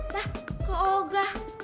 dah ke ogah